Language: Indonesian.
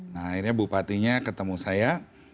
nah akhirnya bupatinya ketemu saya